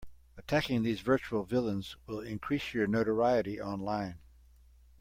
Attacking these virtual villains will increase your notoriety online.